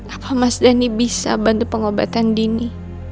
apa mas dhani bisa bantu pengobatan dini